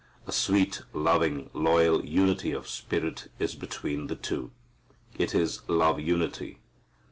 A sweet, loving, loyal unity of spirit is between the two. It is love unity.